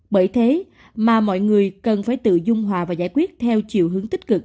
bởi thế mà mọi người cần phải tự dung hòa và giải quyết theo chiều hướng tích cực